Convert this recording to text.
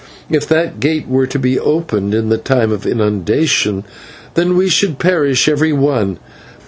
If that gate were to be opened in the time of inundation, then we should perish, every one.